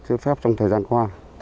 chứa phép trong thời gian qua